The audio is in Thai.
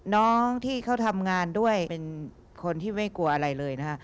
น้องที่เขาทำงานด้วยเป็นคนที่ไม่กลัวอะไรเลยนะคะ